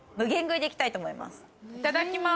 いただきます。